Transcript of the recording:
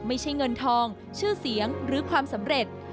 ไม่ใช่เงินทองชื่อเสียงหรือความสำเร็จ